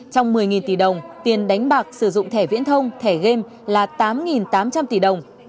trong một mươi tỷ đồng tiền đánh bạc sử dụng thẻ viễn thông thẻ game là tám tám trăm linh tỷ đồng